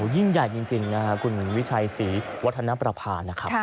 ยิ่งใหญ่จริงนะครับคุณวิชัยศรีวัฒนประพานะครับ